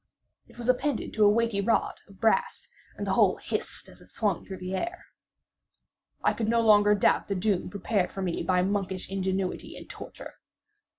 It was appended to a weighty rod of brass, and the whole hissed as it swung through the air. I could no longer doubt the doom prepared for me by monkish ingenuity in torture.